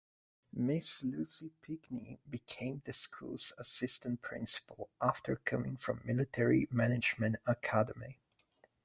Ms. Lucy Pinckney became the school's assistant principal after coming from Military Magnet Academy.